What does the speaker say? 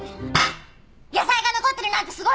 野菜が残ってるなんてすごいです！